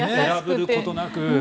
偉ぶることなく。